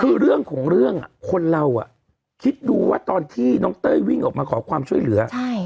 คือเรื่องของเรื่องคนเราคิดดูว่าตอนที่น้องเต้ยวิ่งออกมาขอความช่วยเหลือ